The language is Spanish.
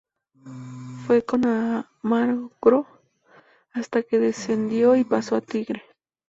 Fue con Almagro, hasta que descendió y pasó a Tigre.